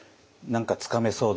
何かつかめそう？